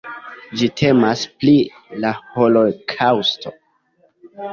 Ĝi temas pri la Holokaŭsto.